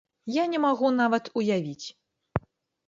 Я не магу нават уявіць.